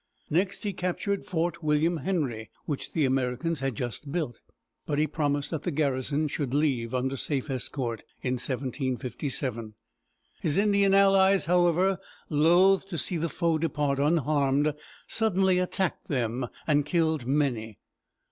Next, he captured Fort William Henry, which the Americans had just built; but he promised that the garrison should leave under safe escort (1757). His Indian allies, however, loath to see the foe depart unharmed, suddenly attacked them, and killed many.